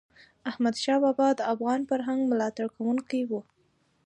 احمدشاه بابا د افغان فرهنګ ملاتړ کوونکی و.